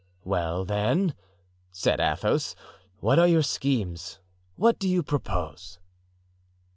"Well, then," said Athos, "what are your schemes? what do you propose?"